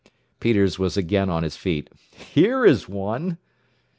Peters was again on his feet. "Here is one!"